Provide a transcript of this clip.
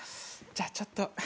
じゃあちょっと。